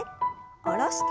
下ろして。